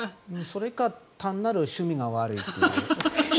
それか単なる趣味が悪いっていう。